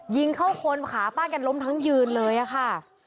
ยิงเข้าคนขาป้าแกล้มทั้งยืนเลยอะค่ะ